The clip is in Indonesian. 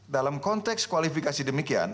dalam konteks kualifikasi demikian